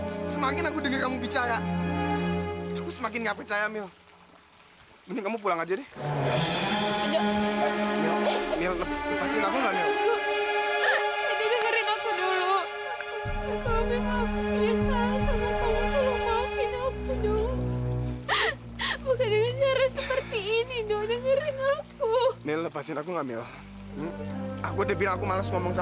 sampai jumpa di video selanjutnya